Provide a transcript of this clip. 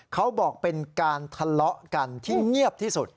เขาบอกเป็นการทะเลาะกันที่เงียบที่สุด